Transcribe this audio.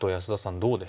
どうですか？